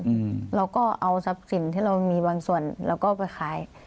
อืมเราก็เอาทรัพย์สินที่เรามีบางส่วนเราก็ไปขาย